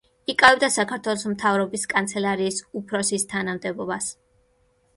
იკავებდა საქართველოს მთავრობის კანცელარიის უფროსის თანამდებობას.